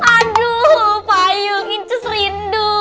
aduh payung incus rindu